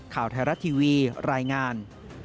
ข่าวไทยรัฐทีวีรายงาน